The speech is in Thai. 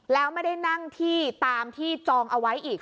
แล้วไม่ได้นั่งที่ตามที่จองเอาไว้อีก